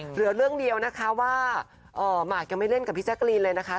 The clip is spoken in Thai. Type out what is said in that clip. เหลือเรื่องเดียวนะคะว่าหมากยังไม่เล่นกับพี่แจ๊กรีนเลยนะคะ